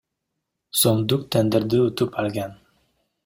сомдук тендерди утуп алган.